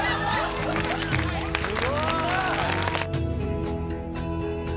・すごい！